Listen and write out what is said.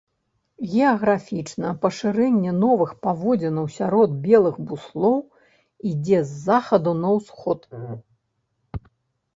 Геаграфічна пашырэнне новых паводзінаў сярод белых буслоў ідзе з захаду на ўсход.